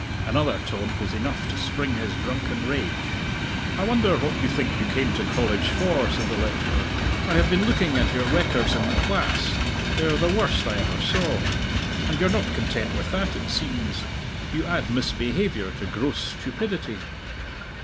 Another taunt was enough to spring his drunken rage. "I wonder what you think you came to College for?" said the lecturer. "I have been looking at your records in the class. They're the worst I ever saw. And you're not content with that, it seems. You add misbehaviour to gross stupidity."